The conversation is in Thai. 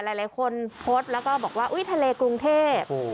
หลายคนโพสต์แล้วก็บอกว่าอุ๊ยทะเลกรุงเทพ